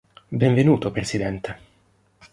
Benvenuto Presidente!